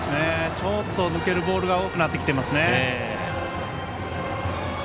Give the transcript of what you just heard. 抜けるボールが多くなってきていますね。